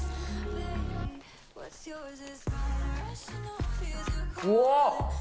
うわっ！